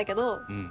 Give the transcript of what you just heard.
うん。